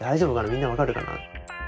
みんな分かるかな。